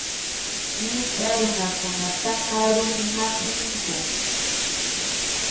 Michʼa runakunataqa rumi maki ninku.